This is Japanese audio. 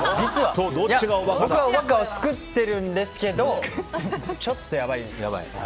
僕はおバカを作ってるんですけどちょっとやばいです。